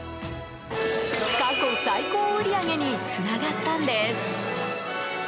過去最高売り上げにつながったんです。